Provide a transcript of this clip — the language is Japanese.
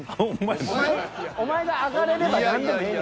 お前が上がれれば何でもええねん。